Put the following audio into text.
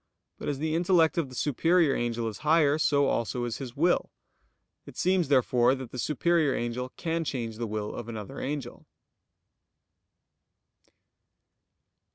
But as the intellect of the superior angel is higher, so also is his will. It seems, therefore, that the superior angel can change the will of another angel.